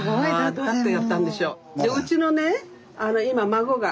どうやってやったんでしょう。